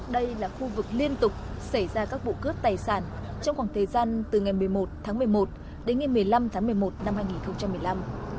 đây là khu vực liên tục xảy ra các vụ cướp tài sản trong khoảng thời gian từ ngày một mươi một tháng một mươi một đến ngày một mươi năm tháng một mươi một năm hai nghìn một mươi năm